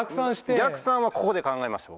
逆算はここで考えました僕。